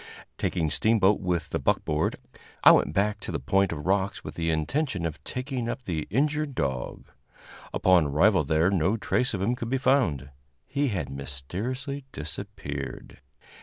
Taking Steamboat with the buckboard, I went back to the point of rocks with the intention of taking up the injured dog. Upon arrival there no trace of him could be found; he had mysteriously disappeared.